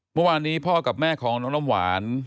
เมื่อวานนี้พ่อกับแม่ของน้องน้ำหวาน